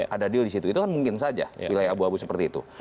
ada deal di situ itu kan mungkin saja wilayah abu abu seperti itu